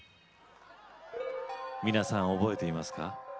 皆さん、覚えていますか？